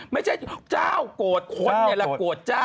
เจ้าโกรธคนนี่แหละโกรธเจ้า